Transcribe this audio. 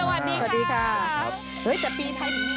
โปรดติดตามตอนต่อไป